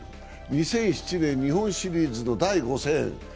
２００７年日本シリーズ第５戦。